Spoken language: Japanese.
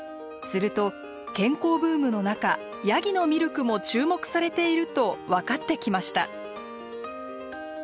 すると健康ブームの中ヤギのミルクも注目されていると分かってきました。